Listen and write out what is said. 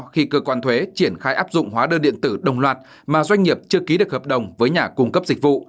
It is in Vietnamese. khi cơ quan thuế triển khai áp dụng hóa đơn điện tử đồng loạt mà doanh nghiệp chưa ký được hợp đồng với nhà cung cấp dịch vụ